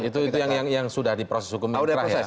itu yang sudah diproses hukumnya